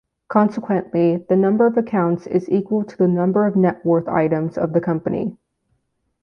Consequently, the number of accounts is equal to the number of net worth items of the company.